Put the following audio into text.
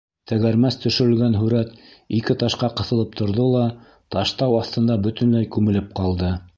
Тәгәрмәс төшөрөлгән һүрәт ике ташҡа ҡыҫылып торҙо ла, таш-тау аҫтында бөтөнләй күмелеп ҡалды.